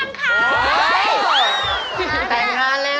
ก็ต่างด้านแล้ว